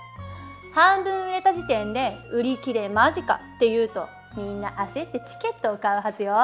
半分売れた時点で「売り切れ間近」って言うとみんな焦ってチケットを買うはずよ。